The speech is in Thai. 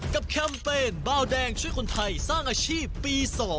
แคมเปญเบาแดงช่วยคนไทยสร้างอาชีพปี๒